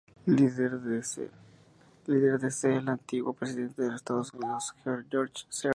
Líder de Dead Cell y antiguo presidente de los Estados Unidos: George Sears.